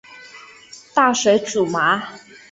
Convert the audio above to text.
大水苎麻